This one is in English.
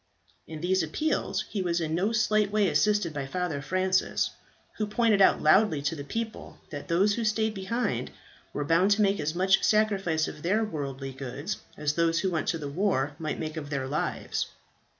In these appeals he was in no slight way assisted by Father Francis, who pointed out loudly to the people that those who stayed behind were bound to make as much sacrifice of their worldly goods, as those who went to the war might make of their lives.